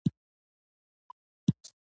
مځکه د ټولو موجوداتو ګډ کور دی.